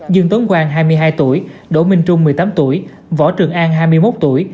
dương tuấn quang hai mươi hai tuổi đỗ minh trung một mươi tám tuổi võ trường an hai mươi một tuổi